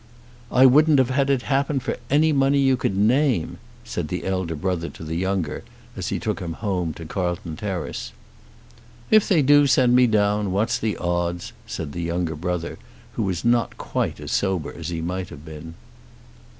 "I wouldn't have had it happen for any money you could name," said the elder brother to the younger, as he took him home to Carlton Terrace. "If they do send me down, what's the odds?" said the younger brother, who was not quite as sober as he might have been.